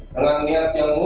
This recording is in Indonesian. dengan niat yang mudah